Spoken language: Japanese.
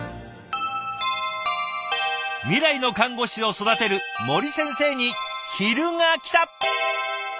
未来の看護師を育てる森先生に昼がきた！